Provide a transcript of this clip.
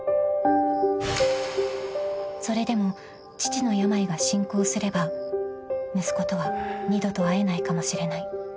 ［それでも父の病が進行すれば息子とは二度と会えないかもしれない］